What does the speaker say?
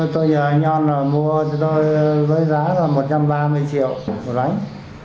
tôi nhờ anh nhon mua cho tôi với giá là một trăm ba mươi triệu một bánh